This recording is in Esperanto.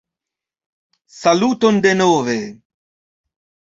Saluton denove!